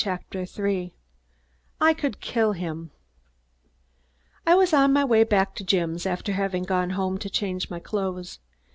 CHAPTER THREE I COULD KILL HIM I was on my way back to Jim's after having gone home to change my clothes.